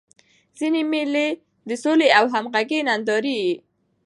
ځيني مېلې د سولي او همږغۍ نندارې يي.